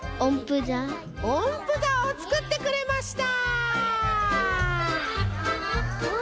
おんぷざをつくってくれました。